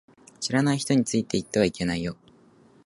知らない人についていってはいけないよ